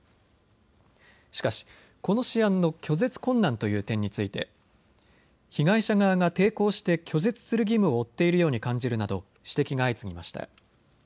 しかし、この試案の拒絶困難という点について被害者側が抵抗して拒絶する義務を負っているように感じるなど指摘が相次ぎました。